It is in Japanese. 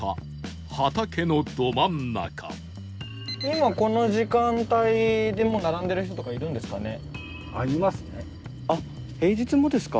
今この時間帯でも並んでる人とかいるんですかね？